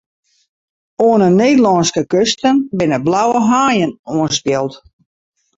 Oan 'e Nederlânske kusten binne blauwe haaien oanspield.